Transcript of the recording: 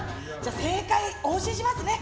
正解お教えしますね。